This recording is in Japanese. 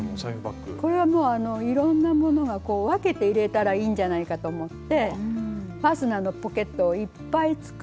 これはもういろんなものが分けて入れたらいいんじゃないかと思ってファスナーのポケットをいっぱい作って。